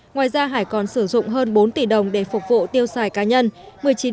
ngoài ra hải còn sử dụng hơn bốn tỷ đồng để phục vụ tiêu xài cá nhân